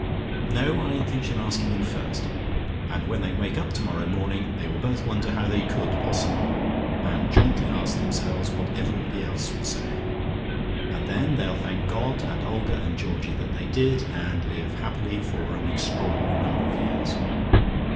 No! I think she'll ask him in first. And when they wake up tomorrow morning, they will both wonder how they could possibly, and jointly ask themselves what everybody else will say. And then they'll thank God and Olga and Georgie that they did, and live happily for an extraordinary number of years.